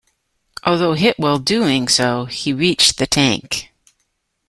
Although hit while doing so, he reached the tank.